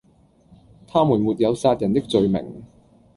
他們沒有殺人的罪名，